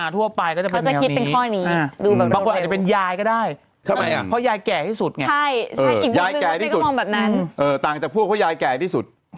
ทั่วไปก็จะเป็นแนวนี้